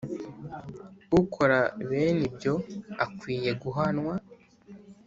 Ukora bene ibyoakwiye guhanwa